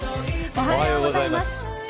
おはようございます。